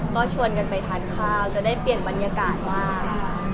ก็ชวนกันไปทานข้าวจะได้เปลี่ยนบรรยากาศบ้าง